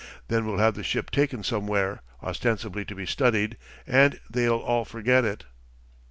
Then we'll have the ship taken somewhere, ostensibly to be studied, and they'll all forget it.